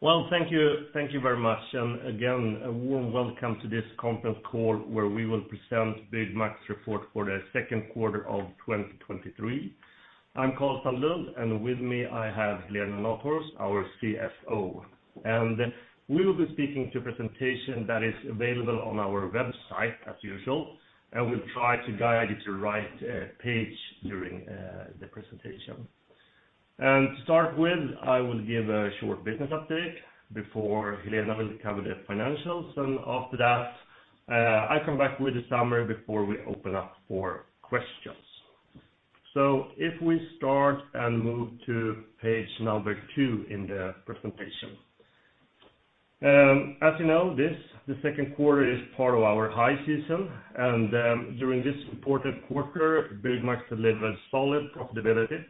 Well, thank you. Thank you very much. Again, a warm welcome to this conference call, where we will present the max report for the second quarter of 2023. I'm Karl Sandlund. With me, I have Helena Nathhorst, our CFO. We will be speaking to a presentation that is available on our website, as usual, and we'll try to guide you to the right page during the presentation. To start with, I will give a short business update before Helena will cover the financials. After that, I come back with a summary before we open up for questions. If we start and move to Page 2 in the presentation. As you know, this, the second quarter, is part of our high season, and during this reported quarter, Byggmax delivered solid profitability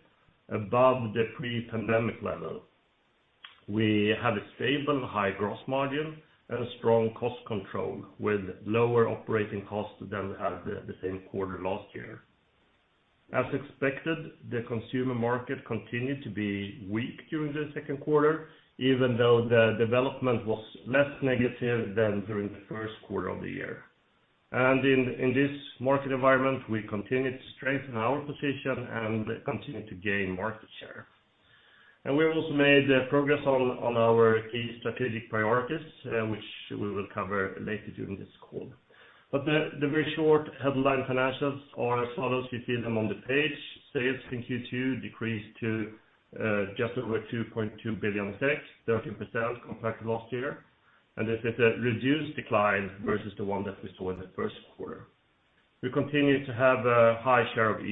above the pre-pandemic level. We had a stable high gross margin and a strong cost control, with lower operating costs than at the same quarter last year. As expected, the consumer market continued to be weak during the second quarter, even though the development was less negative than during the first quarter of the year. In this market environment, we continued to strengthen our position and continued to gain market share. We also made progress on our key strategic priorities, which we will cover later during this call. The very short headline financials are as follows. You see them on the page. Sales in Q2 decreased to just over 2.2 billion, 13% compared to last year. This is a reduced decline versus the one that we saw in the first quarter. We continue to have a high share of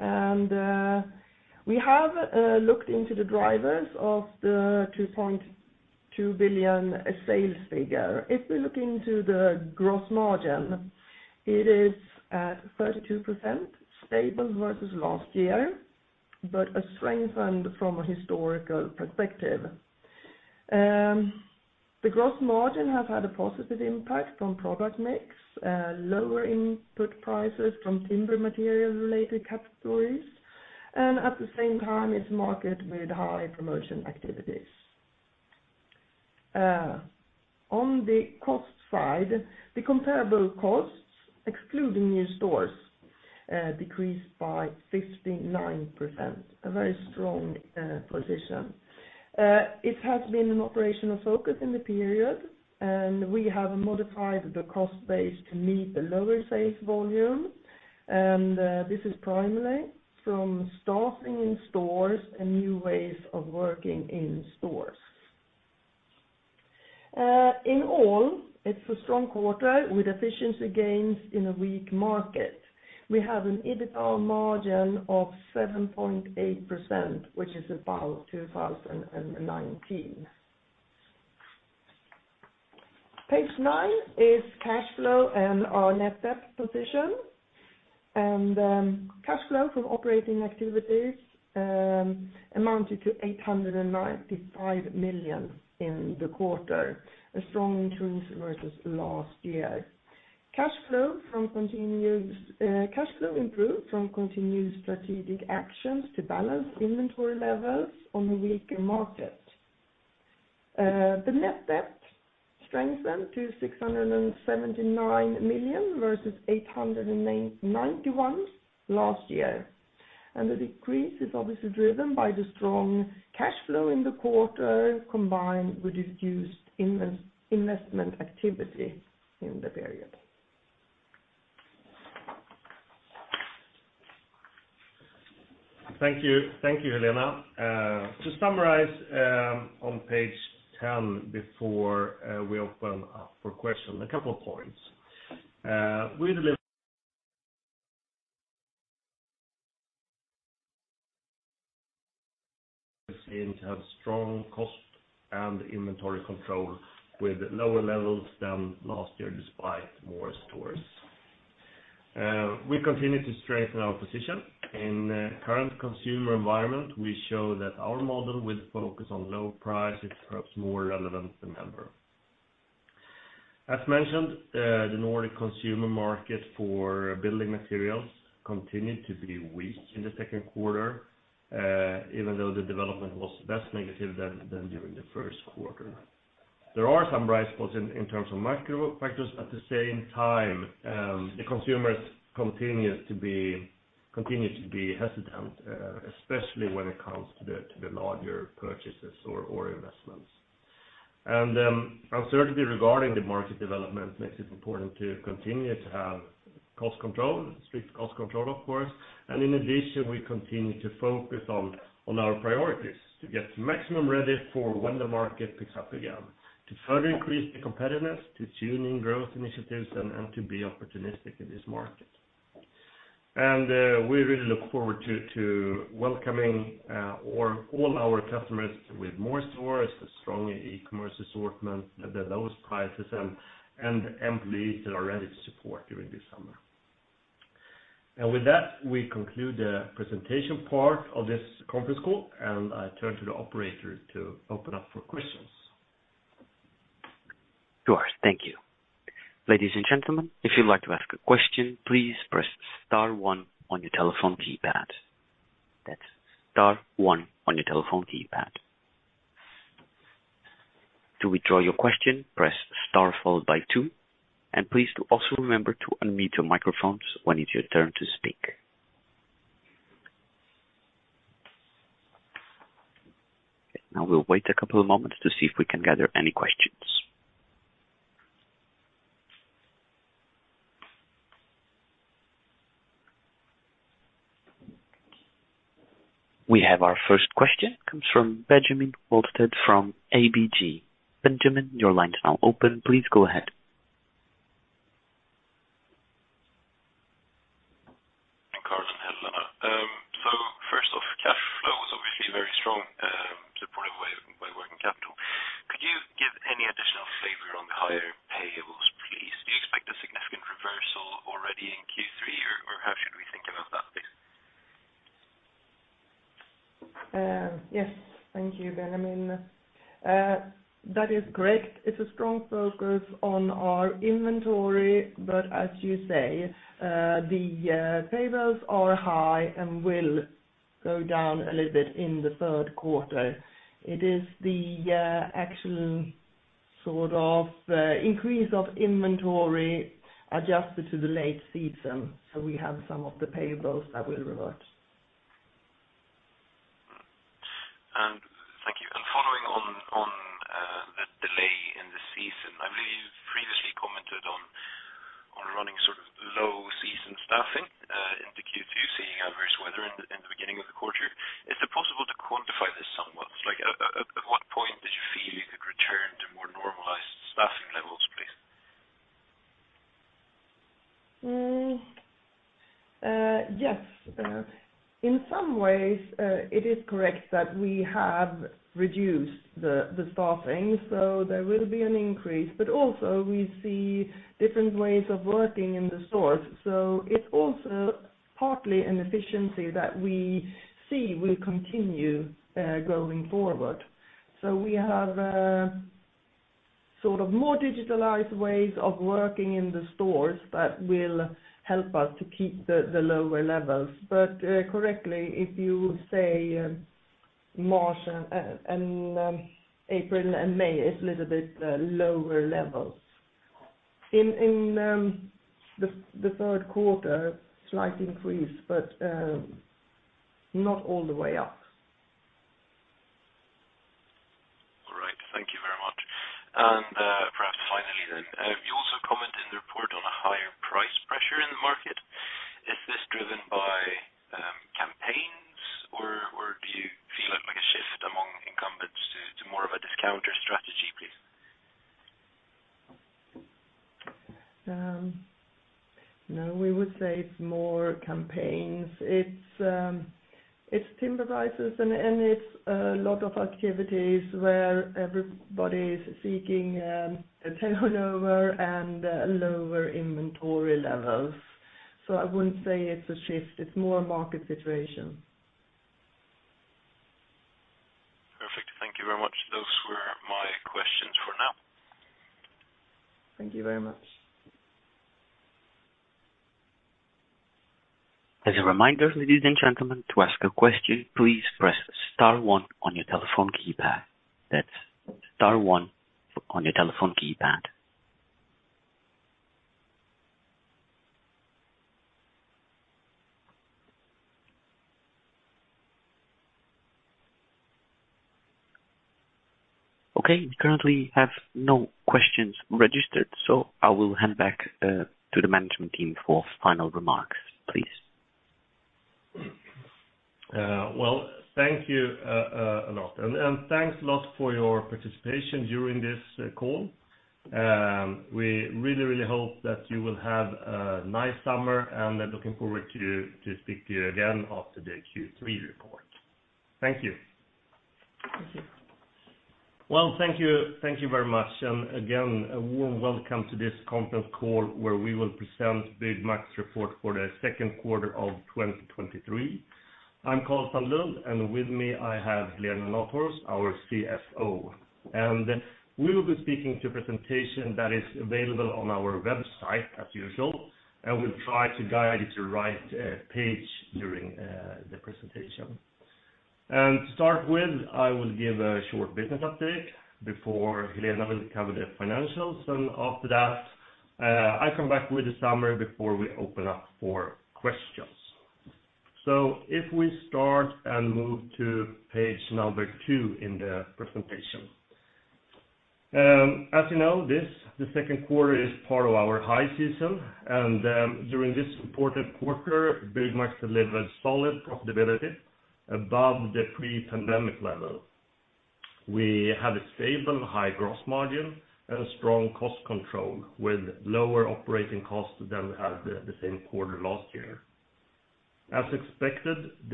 e-commerce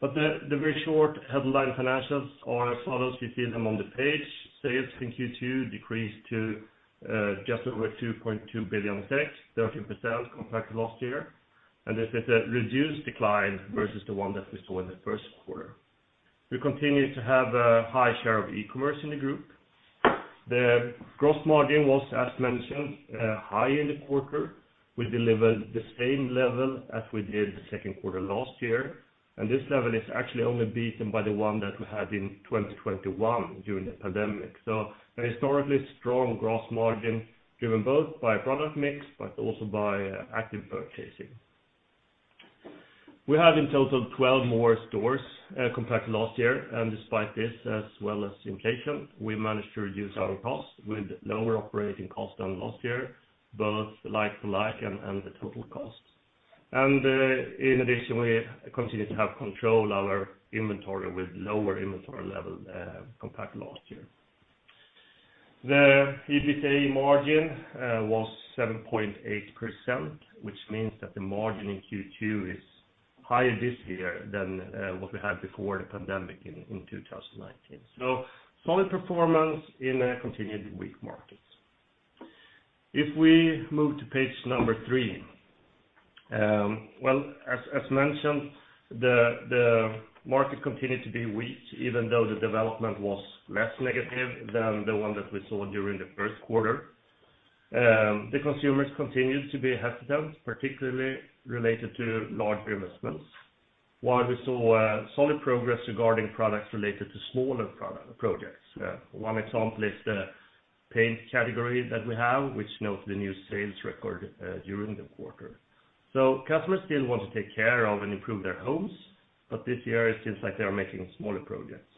in the group. The gross margin was, as mentioned, high in the quarter. We delivered the same level as we did the second quarter last year. This level is actually only beaten by the one that we had in 2021 during the pandemic. A historically strong gross margin, driven both by product mix but also by active purchasing. We have in total 12 more stores compared to last year, and despite this, as well as inflation, we managed to reduce our costs with lower operating costs than last year, both like for like and the total costs. In addition, we continue to have control of our inventory with lower inventory levels compared to last year. The EBITDA margin was 7.8%, which means that the margin in Q2 is higher this year than what we had before the pandemic in 2019. Solid performance in a continued weak market. If we move to Page 3, well, as mentioned, the market continued to be weak, even though the development was less negative than the one that we saw during the first quarter. The consumers continued to be hesitant, particularly related to larger investments, while we saw solid progress regarding products related to smaller projects. One example is the paint category that we have, which noted a new sales record during the quarter. Customers still want to take care of and improve their homes, but this year it seems like they are making smaller projects.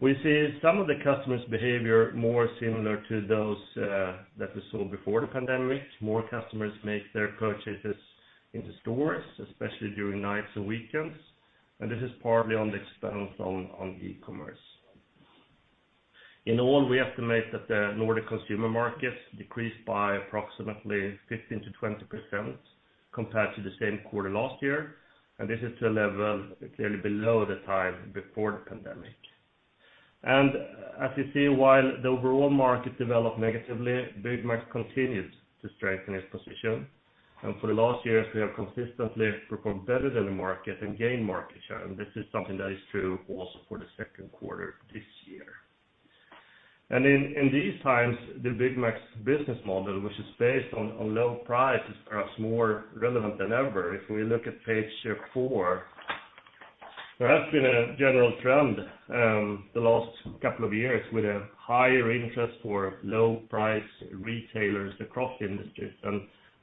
We see some of the customers' behavior more similar to those that we saw before the pandemic. More customers make their purchases in the stores, especially during nights and weekends, and this is partly on the expense on e-commerce. In all, we estimate that the Nordic consumer markets decreased by approximately 15%-20% compared to the same quarter last year, and this is to a level clearly below the time before the pandemic. As you see, while the overall market developed negatively, Byggmax continues to strengthen its position, and for the last years, we have consistently performed better than the market and gained market share, and this is something that is true also for the second quarter this year. In these times, the Byggmax's business model, which is based on low prices, is perhaps more relevant than ever. If we look at Page 4, there has been a general trend the last couple of years with a higher interest for low-price retailers across industries, and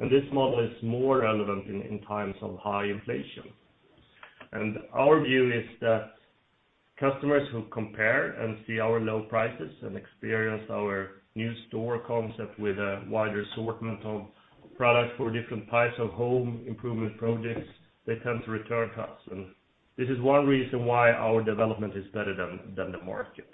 this model is more relevant in times of high inflation. Our view is that customers who compare and see our low prices and experience our new store concept with a wider assortment of products for different types of home improvement projects, they tend to return to us, and this is one reason why our development is better than the market.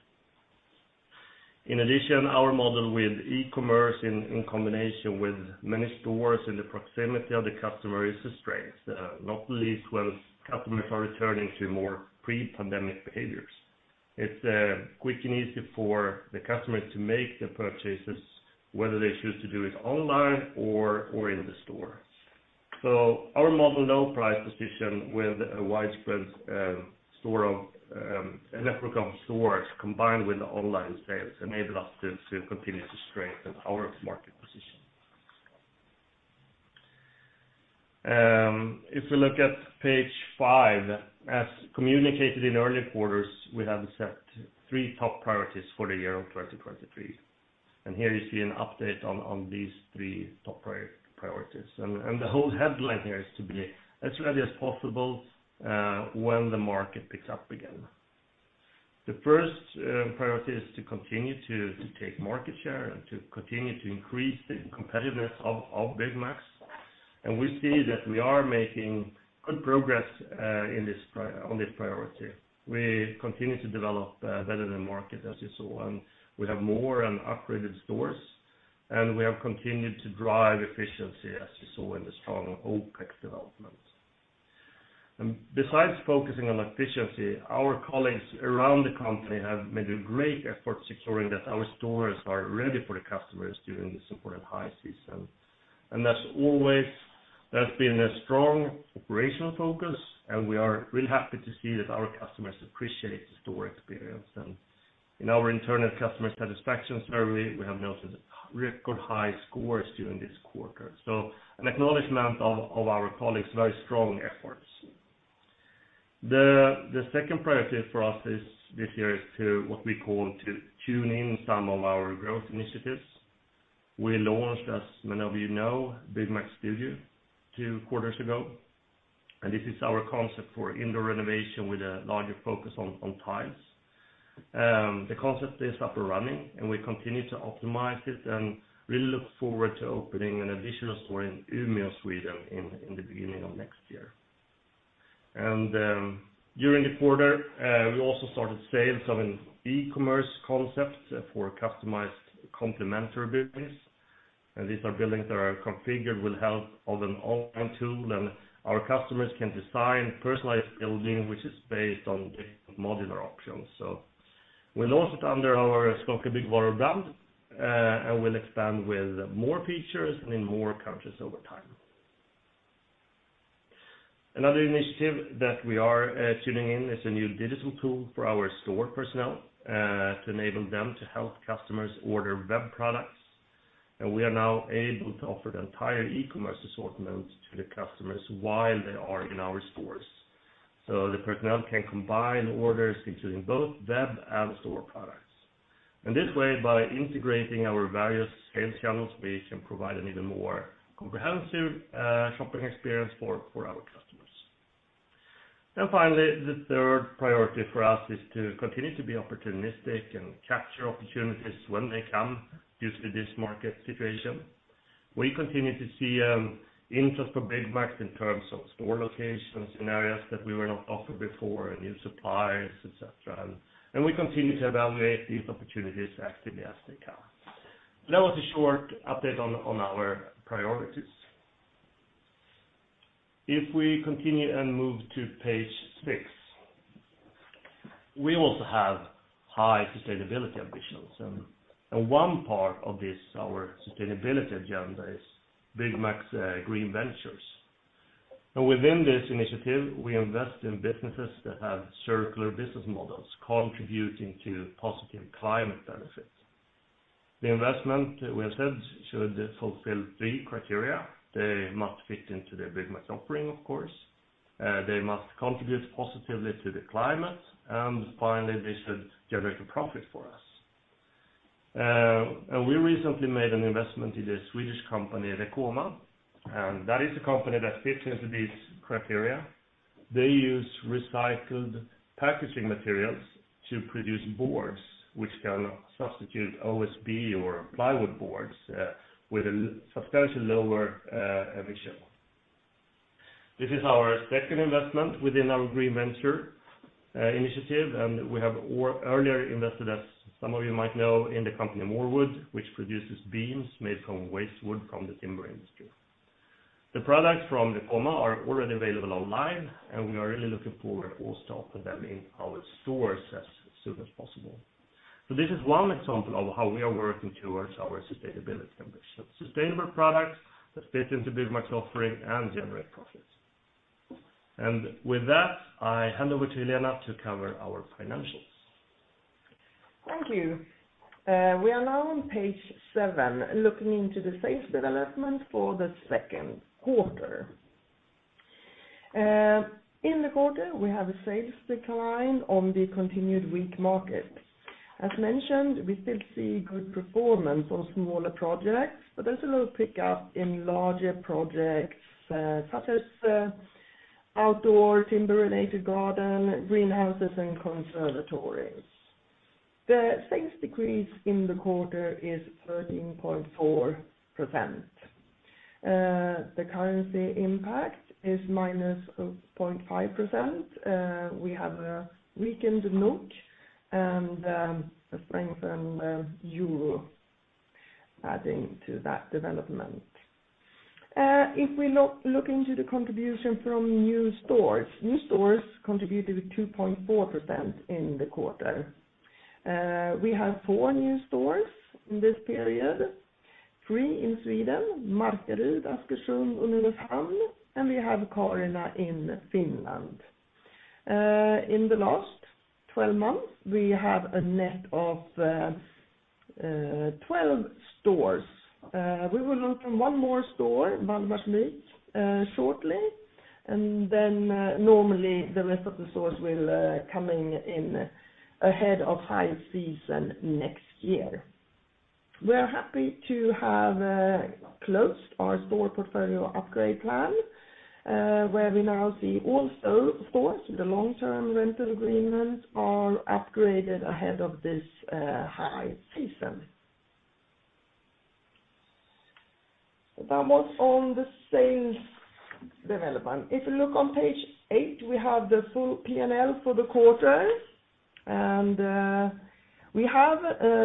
In addition, our model with e-commerce in combination with many stores in the proximity of the customer is a strength, not least when customers are returning to more pre-pandemic behaviors. It's quick and easy for the customers to make the purchases, whether they choose to do it online or in the store. Our model low price position with a widespread store of a network of stores combined with online sales enabled us to continue to strengthen our market position. If you look at Page 5, as communicated in earlier quarters, we have set three top priorities for the year of 2023, and here you see an update on these three top priorities. The whole headline here is to be as ready as possible when the market picks up again. The first priority is to continue to take market share and to continue to increase the competitiveness of Byggmax. We see that we are making good progress on this priority. We continue to develop better than market, as you saw, and we have more and upgraded stores, and we have continued to drive efficiency, as you saw in the strong OPEX developments. Besides focusing on efficiency, our colleagues around the company have made a great effort securing that our stores are ready for the customers during this important high season. That's always, that's been a strong operational focus, and we are really happy to see that our customers appreciate the store experience. In our internal customer satisfaction survey, we have noted record high scores during this quarter. An acknowledgment of our colleagues' very strong efforts. The second priority for us is, this year, is to, what we call, to tune in some of our growth initiatives. We launched, as many of you know, Byggmax Studio 2 quarters ago. This is our concept for indoor renovation with a larger focus on tiles. The concept is up and running. We continue to optimize it, and really look forward to opening an additional store in Umeå, Sweden, in the beginning of next year. During the quarter, we also started sales of an e-commerce concept for customized complimentary buildings. These are buildings that are configured with help of an online tool. Our customers can design personalized building, which is based on modular options. We launched it under our Skånska Byggvaror. We'll expand with more features and in more countries over time. Another initiative that we are tuning in is a new digital tool for our store personnel to enable them to help customers order web products. We are now able to offer the entire e-commerce assortment to the customers while they are in our stores. The personnel can combine orders including both web and store products. In this way, by integrating our various sales channels, we can provide an even more comprehensive shopping experience for our customers. Finally, the third priority for us is to continue to be opportunistic and capture opportunities when they come due to this market situation. We continue to see interest for Byggmax in terms of store location scenarios that we were not offered before, new suppliers, et cetera. We continue to evaluate these opportunities actively as they come. That was a short update on our priorities. We continue and move to Page 6, we also have high sustainability ambitions, and one part of this, our sustainability agenda, is Byggmax's Green Ventures. Within this initiative, we invest in businesses that have circular business models contributing to positive climate benefits. The investment we have had should fulfill three criteria: They must fit into the Byggmax's offering, of course, they must contribute positively to the climate, and finally, they should generate a profit for us. We recently made an investment in the Swedish company, Recoma, and that is a company that fits into these criteria. They use recycled packaging materials to produce boards, which can substitute OSB or plywood boards, with a substantially lower emission. This is our second investment within our Green Ventures initiative, and we have earlier invested, as some of you might know, in the company MoreWood, which produces beams made from waste wood from the timber industry. The products from Recoma are already available online, and we are really looking forward also to offer them in our stores as soon as possible. This is one example of how we are working towards our sustainability ambition. Sustainable products that fit into Byggmax's offering and generate profits. With that, I hand over to Helena to cover our financials. Thank you. We are now on Page 7, looking into the sales development for the second quarter. In the quarter, we have a sales decline on the continued weak market. As mentioned, we still see good performance on smaller projects, but there's a little pick up in larger projects, such as outdoor timber-related garden, greenhouses, and conservatories. The sales decrease in the quarter is 13.4%. The currency impact is minus of 0.5%. We have a weakened NOK and a strengthened euro adding to that development. If we look into the contribution from new stores, new stores contributed 2.4% in the quarter. We have four new stores in this period, three in Sweden, Markaryd, Askersund, and Uddevalla, and we have Kaarina in Finland. In the last 12 months, we have a net of 12 stores. We will open one more store, Vallberga, shortly, and then, normally, the rest of the stores will coming in ahead of high season next year. We are happy to have closed our store portfolio upgrade plan, where we now see all stores, the long-term rental agreements are upgraded ahead of this high season. That was on the sales development. If you look on Page 8, we have the full PNL for the quarter, and we have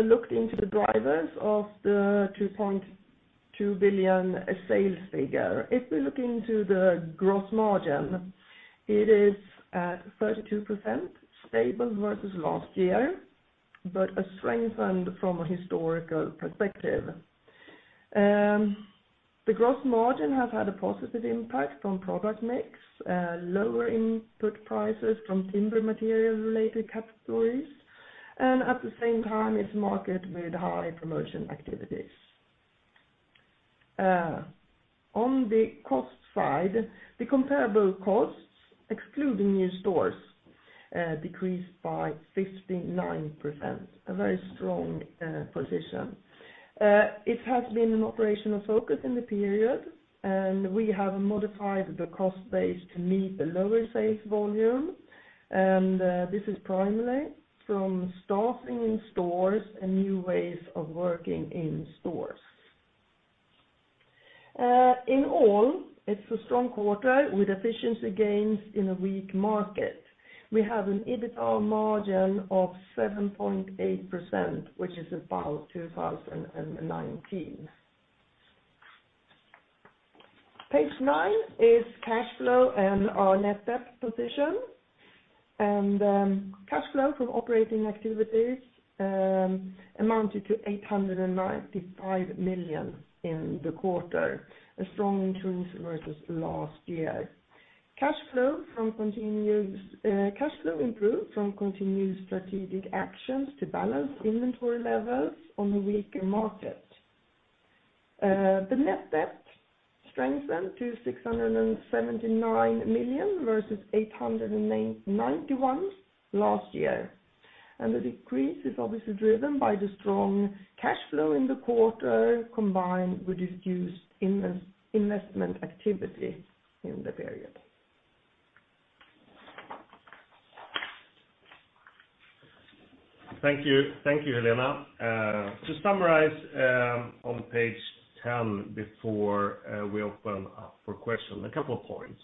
looked into the drivers of the 2.2 billion sales figure. If we look into the gross margin, it is at 32%, stable versus last year, but strengthened from a historical perspective. The gross margin has had a positive impact on product mix, lower input prices from timber material related categories, and at the same time, it's market with high promotion activities. On the cost side, the comparable costs, excluding new stores, decreased by 59%, a very strong position. It has been an operational focus in the period, and we have modified the cost base to meet the lower sales volume, and this is primarily from staffing in stores and new ways of working in stores. In all, it's a strong quarter with efficiency gains in a weak market. Cash flow improved from continued strategic actions to balance inventory levels on the weaker market. The net debt strengthened to 679 million versus 891 million last year. The decrease is obviously driven by the strong cash flow in the quarter, combined with reduced investment activity in the period. Thank you. Thank you, Helena. To summarize, on Page 10, before we open up for questions, a couple of points.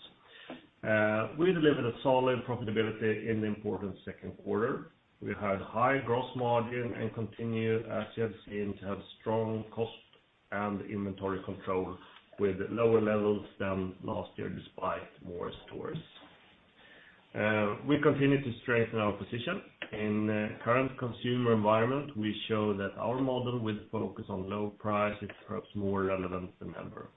We delivered a solid profitability in the important second quarter. We had high gross margin and continued, as you have seen, to have strong cost and inventory control with lower levels than last year, despite more stores. We continue to strengthen our position. In the current consumer environment, we show that our model with focus on low price is perhaps more relevant than ever.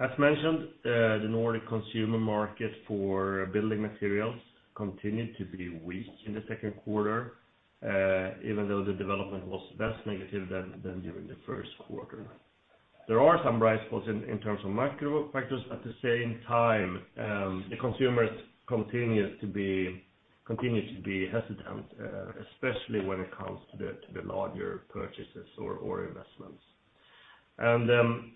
As mentioned, the Nordic consumer market for building materials continued to be weak in the second quarter, even though the development was less negative than during the first quarter. There are some bright spots in terms of macro factors, at the same time, the consumers continue to be hesitant, especially when it comes to the larger purchases or investments.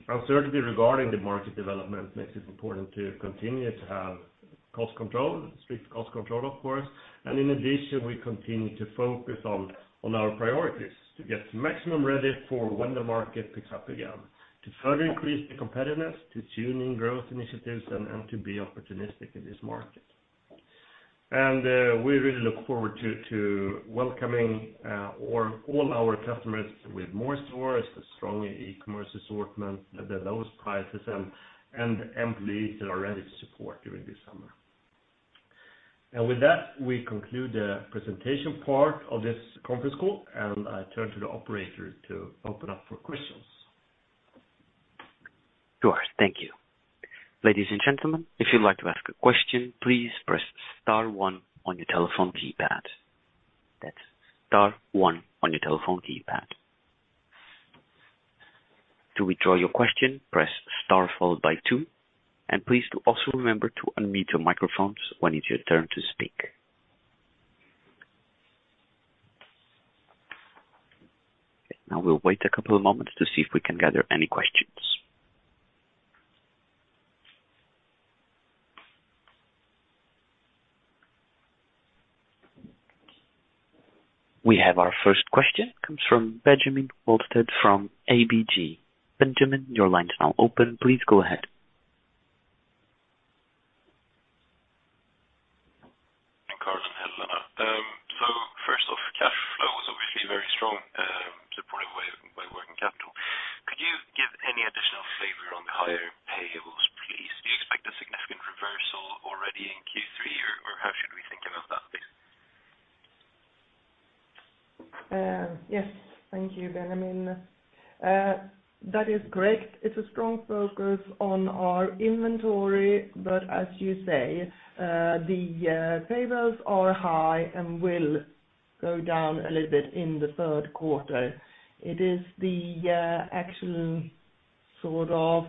Uncertainty regarding the market development makes it important to continue to have cost control, strict cost control, of course. In addition, we continue to focus on our priorities to get Byggmax ready for when the market picks up again, to further increase the competitiveness, to tune in growth initiatives and to be opportunistic in this market. We really look forward to welcoming, all our customers with more stores, a strong e-commerce assortment, the lowest prices, and employees that are ready to support during this summer. With that, we conclude the presentation part of this conference call, and I turn to the operator to open up for questions. Sure. Thank you. Ladies and gentlemen, if you'd like to ask a question, please press star one on your telephone keypad. That's star one on your telephone keypad. To withdraw your question, press star followed by two, and please, to also remember to unmute your microphones when it's your turn to speak. Now, we'll wait a couple of moments to see if we can gather any questions. We have our first question, comes from Benjamin Wahlstedt from ABG. Benjamin, your line is now open. Please go ahead. Karl and Helena, first off, cash flow is obviously very strong, supported by working capital. Could you give any additional flavor on the higher payables, please? Do you expect a significant reversal already in Q3, or how should we think about that, please? Yes, thank you, Benjamin. That is correct. It's a strong focus on our inventory, but as you say, the payables are high and will go down a little bit in the third quarter. It is the actual sort of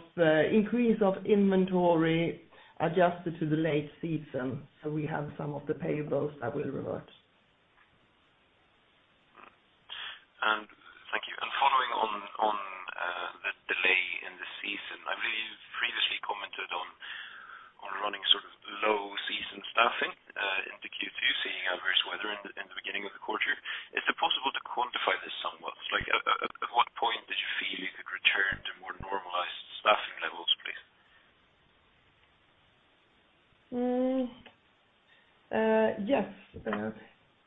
increase of inventory adjusted to the late season, so we have some of the payables that will revert. Thank you. Following on, the delay in the season, I believe you previously commented on running sort of low season staffing into Q2, seeing adverse weather in the beginning of the quarter. Is it possible to quantify this somewhat? Like, at what point did you feel you could return to more normalized staffing levels, please? Yes.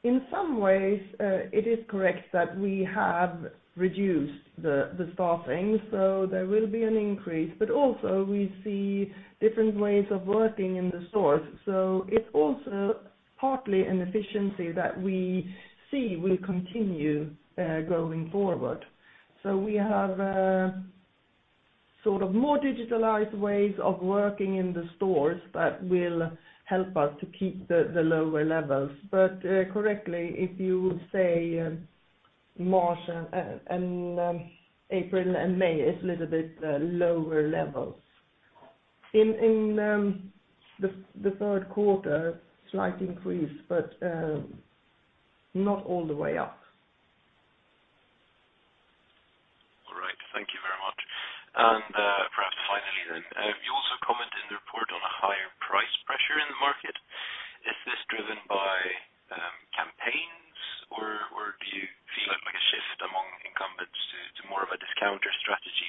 In some ways, it is correct that we have reduced the staffing, so there will be an increase. Also we see different ways of working in the stores, so it's also partly an efficiency that we see will continue going forward. We have sort of more digitalized ways of working in the stores that will help us to keep the lower levels. Correctly, if you say, March and April and May is a little bit lower levels. In the third quarter, slight increase, but not all the way up. All right. Thank you very much. Perhaps finally then, you also commented in the report on a higher price pressure in the market. Is this driven by campaigns or do you feel like a shift among incumbents to more of a discounter strategy,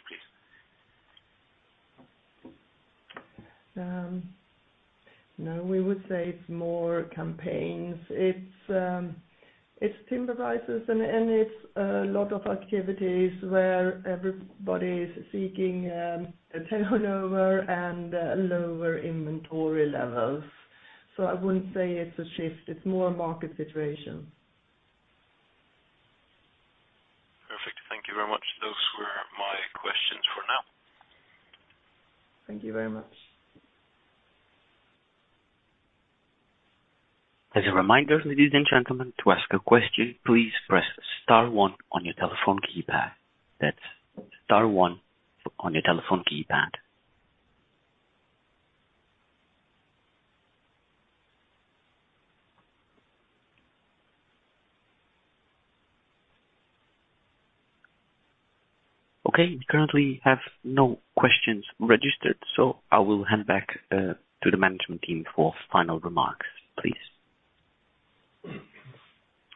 please? No, we would say it's more campaigns. It's, it's timber prices, and it's a lot of activities where everybody is seeking, a turnover and, lower inventory levels. I wouldn't say it's a shift, it's more a market situation. Perfect. Thank you very much. Those were my questions for now. Thank you very much. As a reminder, ladies and gentlemen, to ask a question, please press star one on your telephone keypad. That's star one on your telephone keypad. We currently have no questions registered, so I will hand back to the management team for final remarks, please.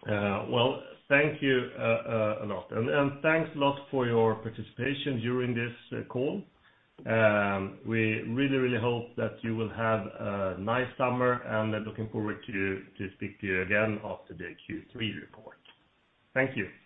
Well, thank you, a lot, and thanks a lot for your participation during this call. We really hope that you will have a nice summer, and looking forward to speak to you again after the Q3 report. Thank you.